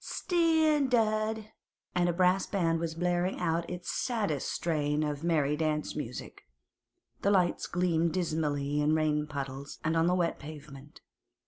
Steendard!' and a brass band was blaring out its saddest strain of merry dance music. The lights gleamed dismally in rain puddles and on the wet pavement.